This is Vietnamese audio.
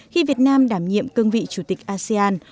khi việt nam đảm nhiệm cương vị chủ tịch asean